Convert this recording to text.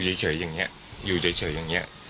เฉยอย่างนี้อยู่เฉยอย่างนี้